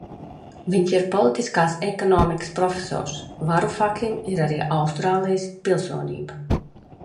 Viņš ir politiskās ekonomikas profesors, Varufakim ir arī Austrālijas pilsonība.